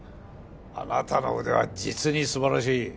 あなたの腕は実に素晴らしい。